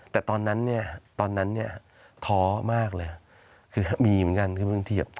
แต่ตอนนั้นเนี่ยตอนนั้นเนี่ยท้อมากเลย